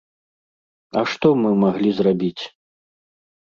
А што мы маглі зрабіць?